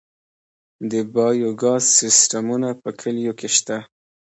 د بایو ګاز سیستمونه په کلیو کې شته؟